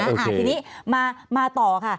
อ่าทีนี้มาต่อค่ะ